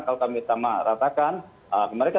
kalau kami sama ratakan mereka